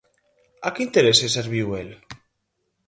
¿A que intereses serviu el?